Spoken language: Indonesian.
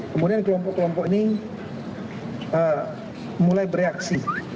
kemudian kelompok kelompok ini mulai bereaksi